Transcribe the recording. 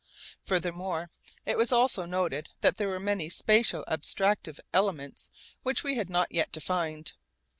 Furthermore it was also noted that there were many spatial abstractive elements which we had not yet defined.